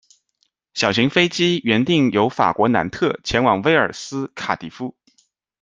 小型飞机原定由法国南特前往威尔斯卡迪夫。